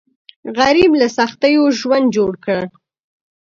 غریب له سختیو ژوند جوړ کړی